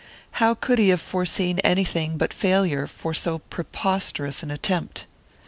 How could he have foreseen anything but failure for so preposterous an attempt?